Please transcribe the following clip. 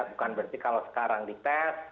bukan berarti kalau sekarang dites